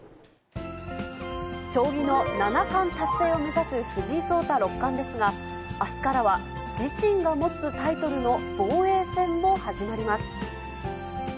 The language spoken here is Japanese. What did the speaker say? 将棋の七冠達成を目指す藤井聡太六冠ですが、あすからは、自身が持つタイトルの防衛戦も始まります。